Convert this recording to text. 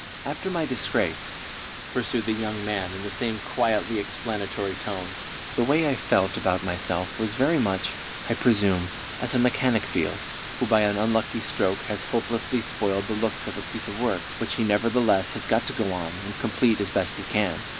"After my disgrace," pursued the young man in the same quietly explanatory tone, "the way I felt about myself was very much, I presume, as a mechanic feels, who by an unlucky stroke has hopelessly spoiled the looks of a piece of work, which he nevertheless has got to go on and complete as best he can.